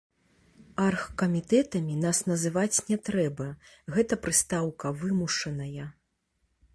Аргкамітэтамі нас называць не трэба, гэта прыстаўка вымушаная.